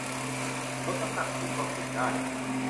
ลดน้ำหนักอยู่ก็กินได้